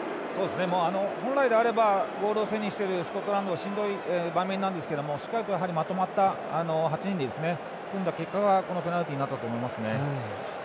本来であればゴールを背にしているスコットランドがしんどい場面なんですけどしっかりとまとまった８人で組んだ結果がこのペナルティーになったと思いますね。